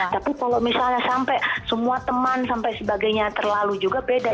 tapi kalau misalnya sampai semua teman sampai sebagainya terlalu juga beda